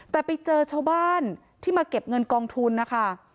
แต่ไปเจอชาวบ้านที่มาเก็บเงินกองทุนนะคะ